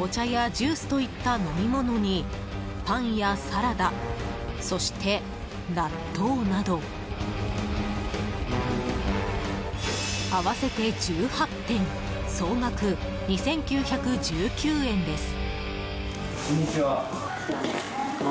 お茶やジュースといった飲みものにパンやサラダそして、納豆など合わせて１８点総額２９１９円です。